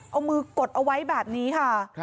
เอามือกดเอาไว้แบบนี้ค่ะ